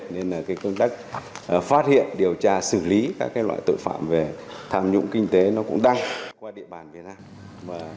nên là công tác phát hiện điều tra xử lý các loại tội phạm về tham nhũng kinh tế nó cũng đăng qua địa bàn việt nam